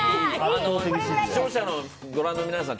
視聴者のご覧の皆さん